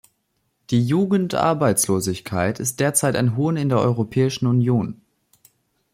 Die Jugendarbeitslosigkeit ist derzeit ein Hohn in der Europäischen Union.